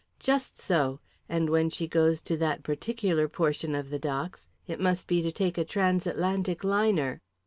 "Just so! And when she goes to that particular portion of the docks, it must be to take a trans Atlantic liner."